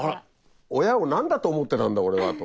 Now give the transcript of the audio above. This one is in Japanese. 親を何だと思ってたんだ俺はと。